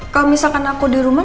kalau misalkan aku di rumah